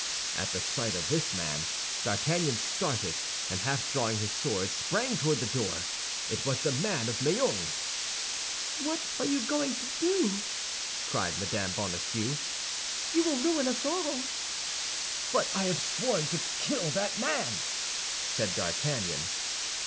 At sight of this man, D'Artagnan started, and half drawing his sword, sprang toward the door. It was the man of Meung. "What are you going to do?" cried Mme. Bonacieux; "you will ruin us all!" "But I have sworn to kill that man!" said D'Artagnan.